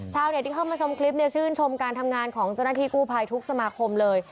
ที่เข้ามาชมคลิปเนี่ยชื่นชมการทำงานของเจ้าหน้าที่กู้ภัยทุกสมาคมเลย